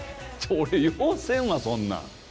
俺ようせんわそんなん。